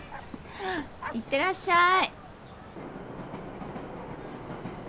いってらっしゃい。